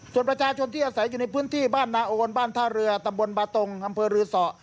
ส่วนประชาชนที่อาศัยอยู่ในพื้นที่บ้านนาโอนบ้านท่าเรือตำบลบาตงอำเภอรือสอ